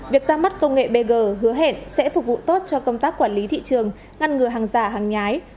việc ra mắt công nghệ bg hứa hẹn sẽ phục vụ tốt cho công tác quản lý thị trường ngăn ngừa hàng giả hàng nhái